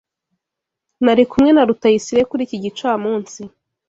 Nari kumwe na Rutayisire kuri iki gicamunsi.